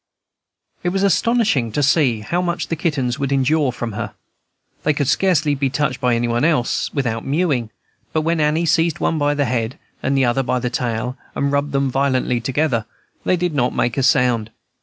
It was astonishing to see how much the kittens would endure from her. They could scarcely be touched by any one else without mewing; but when Annie seized one by the head and the other by the tail, and rubbed them violently together, they did not make a sound.